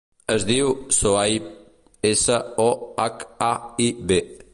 Es diu Sohaib: essa, o, hac, a, i, be.